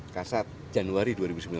kasat januari dua ribu sembilan belas